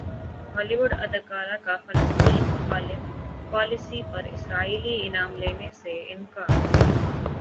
ہالی وڈ اداکارہ کا فلسطین مخالف پالیسی پر اسرائیلی انعام لینے سے انکار